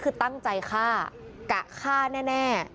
พวกมันต้องกินกันพี่